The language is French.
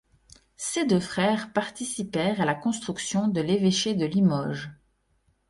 Ces deux frères participèrent à la construction de l’Évêché de Limoges.